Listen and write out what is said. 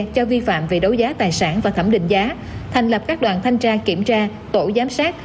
cho vi phạm về đấu giá tài sản và thẩm định giá thành lập các đoàn thanh tra kiểm tra tổ giám sát